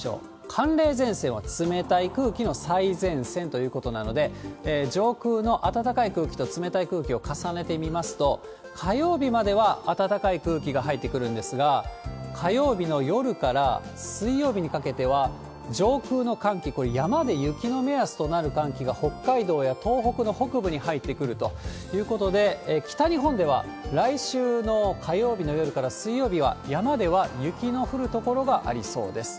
寒冷前線は冷たい空気の最前線ということなので、上空の暖かい空気と冷たい空気を重ねてみますと、火曜日までは暖かい空気が入ってくるんですが、火曜日の夜から水曜日にかけては、上空の寒気、これ、山で雪の目安となる寒気が、北海道や東北の北部に入ってくるということで、北日本では来週の火曜日の夜から水曜日は、山では雪の降る所がありそうです。